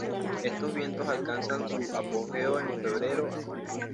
Estos vientos alcanzan su apogeo en febrero a mayo.